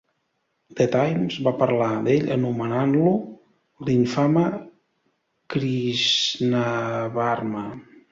"The Times" va parlar d'ell anomenant-lo "l'infame Krishnavarma".